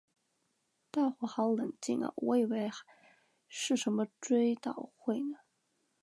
大伙好冷静啊我还以为是什么追悼会呢